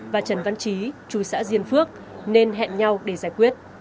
và trần văn trí chú xã diên phước nên hẹn nhau để giải quyết